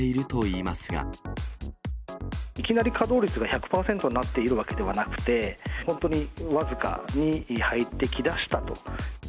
いきなり稼働率が１００％になっているわけではなくて、本当に僅かに入ってきだしたと。